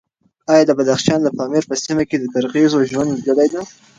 ایا د بدخشان د پامیر په سیمه کې د قرغیزو ژوند لیدلی دی؟